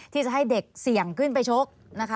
ที่จะให้เด็กเสี่ยงขึ้นไปชกนะคะ